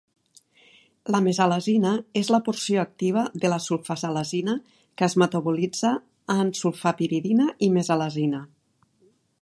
La mesalazina és la porció activa de la sulfasalazina, que es metabolitza en sulfapiridina i mesalazina.